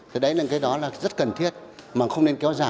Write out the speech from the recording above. thì đấy là cái đó rất cần thiết mà không nên kéo giả